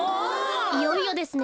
いよいよですね。